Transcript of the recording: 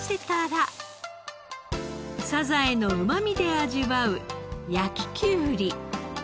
サザエのうまみで味わう焼ききゅうり。